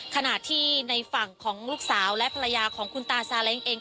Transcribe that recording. ขณะที่ในฝั่งของลูกสาวและภรรยาของคุณตาซาเล้งเอง